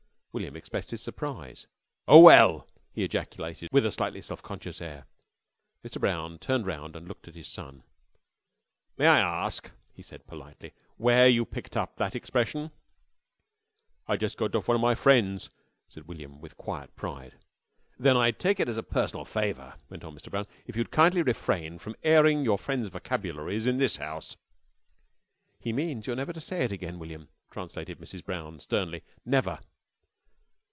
William expressed his surprise. "Oh, 'ell!" he ejaculated, with a slightly self conscious air. Mr. Brown turned round and looked at his son. "May I ask," he said politely, "where you picked up that expression?" "I got it off one of my fren's," said William with quiet pride. "Then I'd take it as a personal favour," went on Mr. Brown, "if you'd kindly refrain from airing your friends' vocabularies in this house." "He means you're never to say it again, William," translated Mrs. Brown sternly. "_Never.